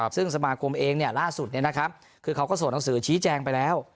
ซึ่งสมาคมเองล่าสุดคือเขาก็ส่งหนังสือชี้แจงไปแล้ว